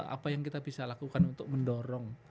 apa yang kita bisa lakukan untuk mendorong